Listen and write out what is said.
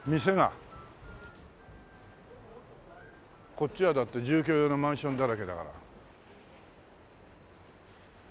こっちはだって住居用のマンションだらけだから。